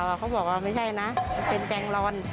แจงรอนไม่ใช่ฟิวลอน